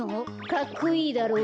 かっこいいだろう？